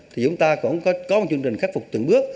thì chúng ta cũng có một chương trình khắc phục từng bước